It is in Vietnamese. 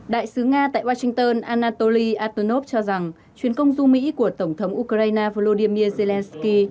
đại sứ nga tại washington anatoly atonov cho rằng chuyến công du mỹ của tổng thống ukraine volodymyr zelensky